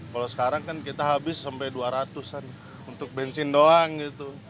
kalau sekarang kan kita habis sampai dua ratus an untuk bensin doang gitu